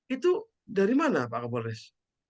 itu dari mana pak kapolres